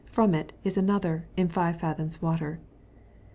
from it is another, in 5 fathoms water.